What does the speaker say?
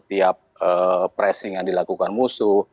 tiap pressing yang dilakukan musuh